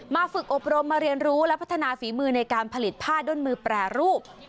ฝึกอบรมมาเรียนรู้และพัฒนาฝีมือในการผลิตผ้าด้นมือแปรรูป